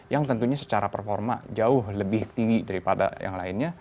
yang tentunya secara performa jauh lebih tinggi daripada yang lainnya